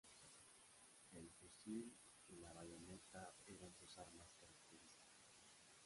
El fusil y la bayoneta eran sus armas características.